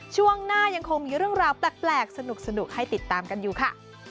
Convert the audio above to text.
ช่วงหน้ายังคงมีเรื่องราวแปลกสนุกให้ติดตามกันอยู่ค่ะ